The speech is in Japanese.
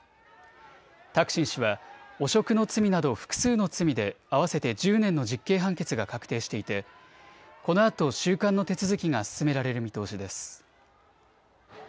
タクシン氏は汚職の罪など複数の罪で合わせて１０年の実刑判決が確定していてこのあと、収監の手続きが進められる見通しです。